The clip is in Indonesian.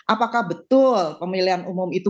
apakah betul pemilihan umum itu